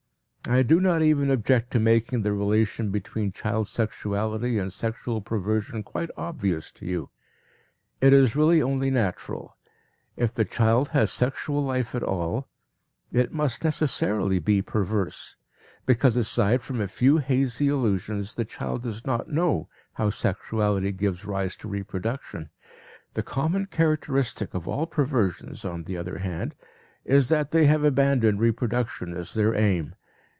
I do not even object to making the relation between child sexuality and sexual perversion quite obvious to you. It is really only natural; if the child has sexual life at all, it must necessarily be perverse, because aside from a few hazy illusions, the child does not know how sexuality gives rise to reproduction. The common characteristic of all perversions, on the other hand, is that they have abandoned reproduction as their aim.